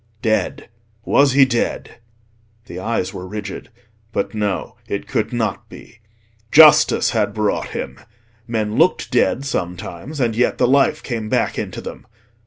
Dead—was he dead? The eyes were rigid. But no, it could not be—Justice had brought him. Men looked dead sometimes, and yet the life came back into them.